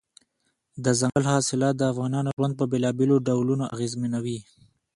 دځنګل حاصلات د افغانانو ژوند په بېلابېلو ډولونو اغېزمنوي.